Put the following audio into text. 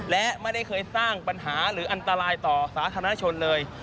และไม่ได้เคยสร้างปัญหาหรืออันตรายต่อสาธารณชนเลย